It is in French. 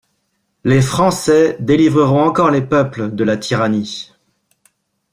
Les Français délivreront encore les peuples de la tyrannie.